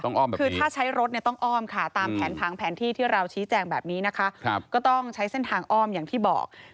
คือถ้าใช้รถเนี่ยต้องอ้อมค่ะตามแผนผังแผนที่ที่เราชี้แจงแบบนี้นะคะก็ต้องใช้เส้นทางอ้อมอย่างที่บอก